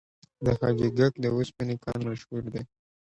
د حاجي ګک د وسپنې کان مشهور دی